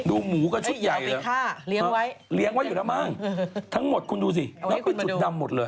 ดูหมูก็ชุดใหญ่แล้วเลี้ยงไว้อยู่ด้านบ้างทั้งหมดคุณดูสิแล้วไปจุดดำหมดเลย